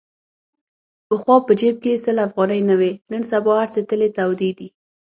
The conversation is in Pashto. پخوا په جیب کې سل افغانۍ نه وې. نن سبا هرڅه تلې تودې دي.